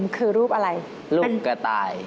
คือรูปอะไรรูปกระต่าย